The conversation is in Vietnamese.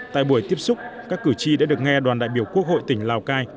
tại buổi tiếp xúc các cử tri đã được nghe đoàn đại biểu quốc hội tỉnh lào cai